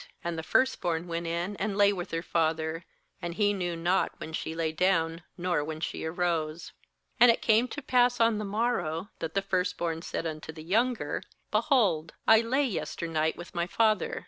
Aiid the first born went in, and lay with her father; and he knew 19.33 GENESIS not when she lay down, nor when she arose. 34And it came to pass on the morrow, that the first born said unto the younger: 'Behold, I lay yester night with my father.